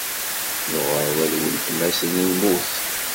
Lɣeṛba d ultma-s n lmut.